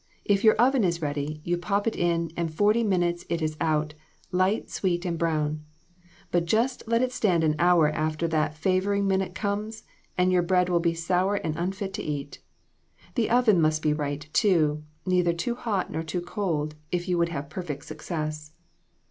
If your oven is ready, you pop it in, and in forty minutes it is out, light, sweet and brown. But just let it stand an hour after that favoring minute comes, and your bread will be sour and unfit to eat. The oven must be right, too neither too hot nor too cold, if you would have perfect success."